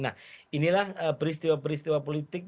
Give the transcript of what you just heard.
nah inilah peristiwa peristiwa politik